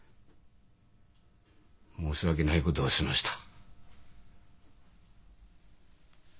申し訳ないことをしました。